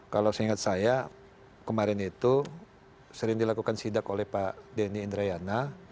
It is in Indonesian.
kalau seingat saya kemarin itu sering dilakukan sidak oleh pak denny indrayana